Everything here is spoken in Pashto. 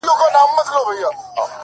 • ټول عمر تكه توره شپه وي رڼا كډه كړې؛